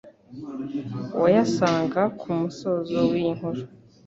wayasanga ku musozo w'iyi nkuru